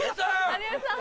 有吉さん